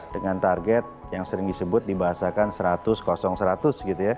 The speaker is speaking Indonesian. dengan target yang sering disebut dibahasakan seratus seratus gitu ya